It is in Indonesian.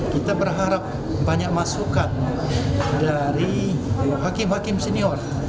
kita berharap banyak masukan dari hakim hakim senior